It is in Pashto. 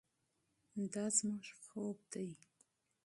دا زموږ خوب دی.